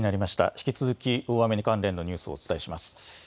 引き続き大雨関連のニュースをお伝えします。